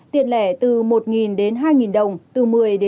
tiền lẻ từ một hai đồng từ một mươi một mươi năm